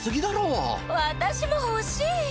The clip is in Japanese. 私も欲しい！